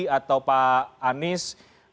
atau pak anies